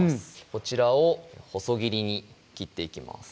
こちらを細切りに切っていきます